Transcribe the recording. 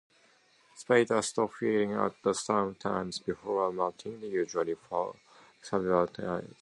Spiders stop feeding at some time before moulting, usually for several days.